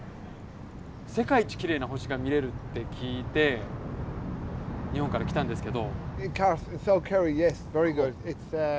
世界一きれいな星が見れるって聞いて日本から来たんですけど。